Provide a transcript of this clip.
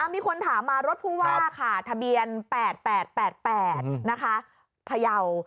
มีคนถามมารถภูวาขาดทะเบียน๘๘๘๘นะคะพยาว